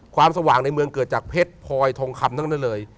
สว่างในเมืองเกิดจากเพชรพลอยทองคำทั้งนั้นเลย